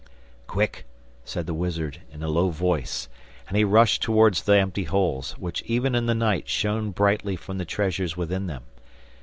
'Quick,' said the wizard, in a low voice, and he rushed towards the empty holes, which even in the night shone brightly from the treasures within them.